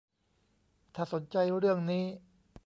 ถ้าสนใจเรื่องนี้